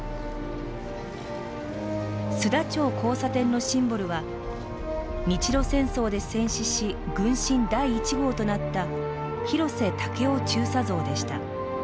須田町交差点のシンボルは日露戦争で戦死し軍神第１号となった広瀬武夫中佐像でした。